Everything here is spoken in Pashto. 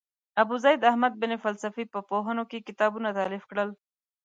ابوزید احمد بن فلسفي په پوهنو کې کتابونه تالیف کړل.